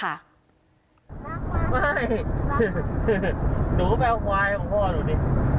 รักมั้ยรักมั้ยหนูก็ไปเอาควายของพ่อหนูดิ